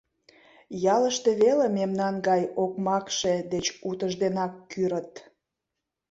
Ялыште веле мемнан гай окмакше деч утыжденак кӱрыт.